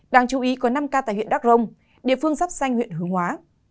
đáng chú ý có năm ca tại huyện đắk rồng địa phương dắp xanh huyện hướng hóa